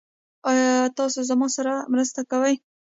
ایا تاسو زما سره مرسته کوئ؟